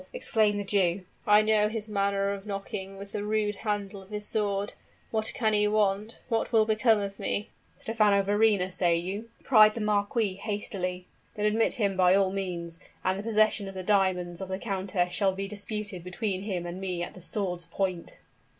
exclaimed the Jew. "I know his manner of knocking with the rude handle of his sword. What can he want? What will become of me?" "Stephano Verrina, say you?" cried the marquis, hastily. "Then admit him by all means; and the possession of the diamonds of the countess shall be disputed between him and me at the sword's point."